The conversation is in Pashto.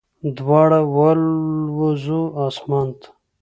دواړه والوزو اسمان ته